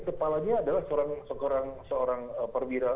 kepalanya adalah seorang perwira